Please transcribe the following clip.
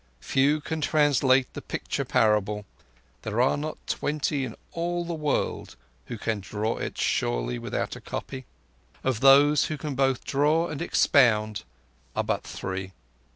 Few can translate the picture parable; there are not twenty in all the world who can draw it surely without a copy: of those who can both draw and expound are but three.